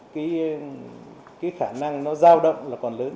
cái khả năng nó giao động là còn lớn